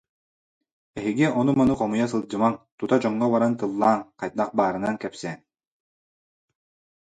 Эһиги ону-маны хомуйа сылдьымаҥ, тута дьоҥҥо баран тыллааҥ, хайдах баарынан кэпсээҥ